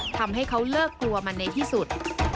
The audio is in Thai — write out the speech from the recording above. ทำให้เขาเลิกกลัวมันในที่สุด